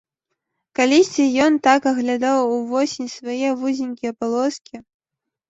Калісьці ён так аглядаў увосень свае вузенькія палоскі.